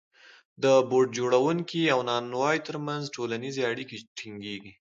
د بوټ جوړونکي او نانوای ترمنځ ټولنیزې اړیکې ټینګېږي